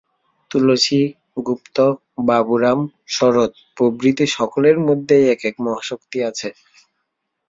তুলসী, গুপ্ত, বাবুরাম, শরৎ প্রভৃতি সকলের মধ্যেই এক এক মহাশক্তি আছে।